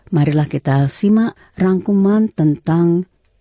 marilah kita simak rangkuman tentang